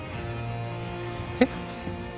えっ？